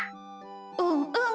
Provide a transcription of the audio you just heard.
うんうん。